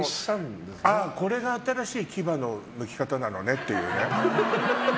ああ、これが新しい牙のむき方なのねっていう。